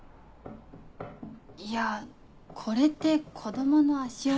いやこれって子供の足音。